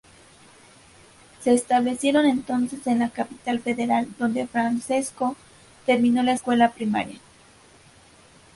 Se establecieron entonces en la Capital Federal, donde Francesco terminó la escuela primaria.